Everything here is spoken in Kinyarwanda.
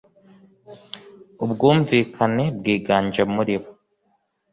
Ubwumvikane bwiganje muri bo.